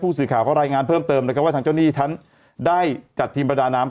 สื่อข่าวก็รายงานเพิ่มเติมนะครับว่าทางเจ้าหนี้ฉันได้จัดทีมประดาน้ำ